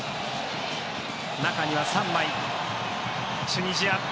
中には３枚、チュニジア。